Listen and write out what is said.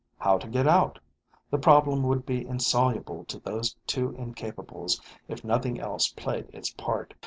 How to get out? The problem would be insoluble to those two incapables, if nothing else played its part.